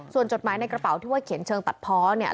ส่วนจดหมายในกระเป๋าที่ว่าเขียนเชิงตัดเพาะเนี่ย